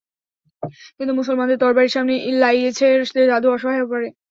কিন্তু মুসলমানদের তরবারির সামনে লাঈছের জাদু অসহায় হয়ে পড়ে।